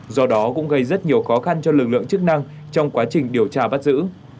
do đó cũng gây rất nhiều khó khăn cho lực lượng chức năng trong quá trình điều tra bắt giữ